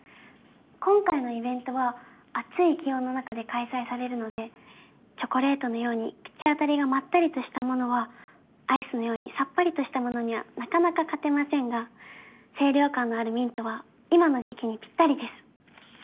今回のイベントは暑い気温の中で開催されるのでチョコレートのように口当たりがまったりとしたものはアイスのようにさっぱりとしたものにはなかなか勝てませんが清涼感のあるミントは今の時期にぴったりです